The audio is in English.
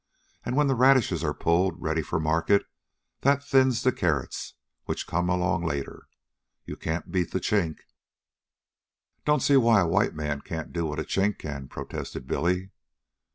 And when the radishes are pulled, ready for market, that thins the carrots, which come along later. You can't beat the Chink." "Don't see why a white man can't do what a Chink can," protested Billy.